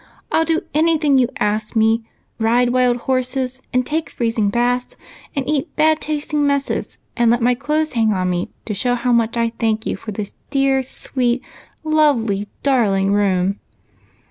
I '11 do any thing you ask me ; ride wild horses and take freezing baths and eat bad tasting messes, and let my clothes hang on me, to show how much I thank you for this dear, sweet, lovely room